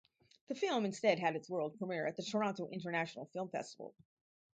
The film instead had its world premiere at the Toronto International Film Festival.